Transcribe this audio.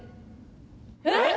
えっ！？